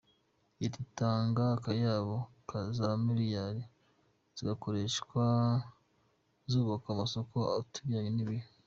Leta itanga akayabo ka za miliyari zigakoreshwa zubaka amasoko atajyanye n’igihe.